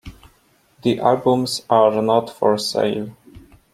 The Albums are not for sale.